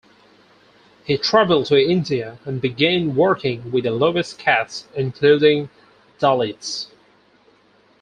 He traveled to India and began working with the lowest castes, including Dalits.